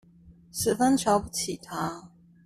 十分瞧不起他